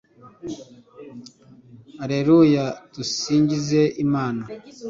alleluia dusingize imana